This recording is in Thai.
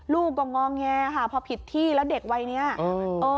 ลูกก็งอแงค่ะพอผิดที่แล้วเด็กวัยเนี้ยเออ